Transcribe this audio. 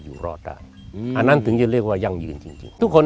อยู่รอดได้อันนั้นถึงจะเรียกว่ายั่งยืนจริงทุกคน